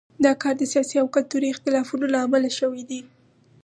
دا کار د سیاسي او کلتوري اختلافونو له امله شوی دی.